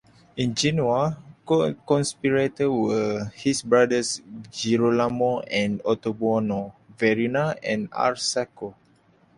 In Genoa, co-conspirators were his brothers Girolamo and Ottobuono, Verrina and R. Sacco.